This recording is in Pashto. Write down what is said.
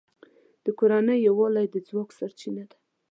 د کورنۍ یووالی د ځواک سرچینه ده.